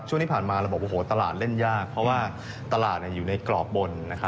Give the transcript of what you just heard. ช่วงที่ผ่านมาเราบอกโอ้โหตลาดเล่นยากเพราะว่าตลาดอยู่ในกรอบบน